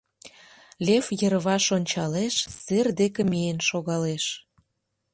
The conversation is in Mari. Лев йырваш ончалеш, сер деке миен шогалеш.